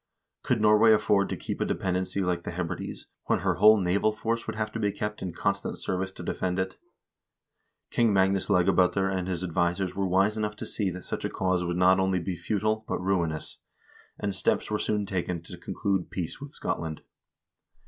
Could Norway afford to keep a dependency like the Hebrides, when her whole naval force would have to be kept in constant service to defend it? King Magnus Lagab0ter and his advisers were wise enough to see that such a cause would not only be futile, but ruinous, and steps were soon taken to conclude peace with Scotland.